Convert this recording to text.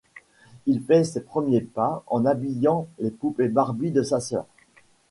Il fait ses premiers pas en habillant les poupées Barbie de sa sœur.